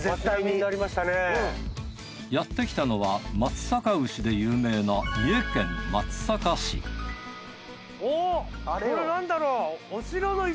やってきたのは松阪牛で有名な三重県松阪市おっこれ何だろう？